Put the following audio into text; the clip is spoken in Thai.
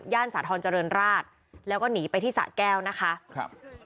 สาธรณเจริญราชแล้วก็หนีไปที่สะแก้วนะคะครับ